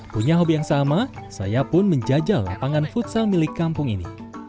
punya hobi yang sama saya pun menjajal lapangan futsal milik kampung ini